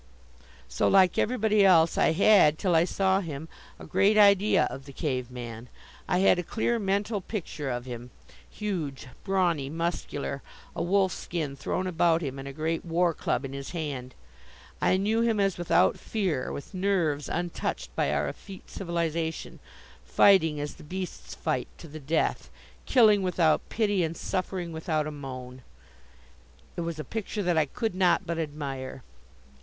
So, like everybody else, I had, till I saw him, a great idea of the cave man. I had a clear mental picture of him huge, brawny, muscular, a wolfskin thrown about him and a great war club in his hand. I knew him as without fear with nerves untouched by our effete civilization, fighting, as the beasts fight, to the death, killing without pity and suffering without a moan. It was a picture that I could not but admire.